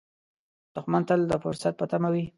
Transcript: دښمن تل د فرصت په تمه وي